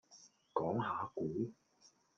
講下股